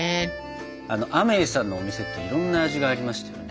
あのアメイさんのお店っていろんな味がありましたよね？